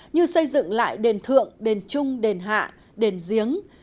như xây dựng lại đền thượng đền trung đền hạ đền giếng